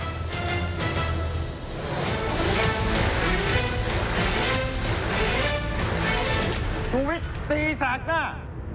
ชีวิตตีแสกหน้า